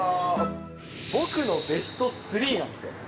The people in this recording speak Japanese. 僕のベスト３なんですよ。